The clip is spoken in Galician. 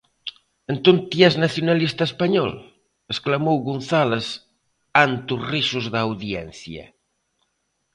Entón ti es nacionalista español!, exclamou González ante os risos da audiencia.